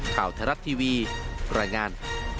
ข่าวธรัทย์ทีวีรายงาน